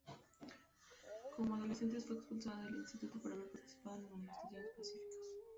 Como adolescente fue expulsada del instituto por haber participado en las manifestaciones pacíficas.